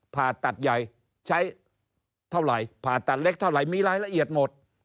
ผ่าตัดใหญ่ใช้เท่าไหร่ผ่าตัดเล็กเท่าไหร่มีรายละเอียดหมด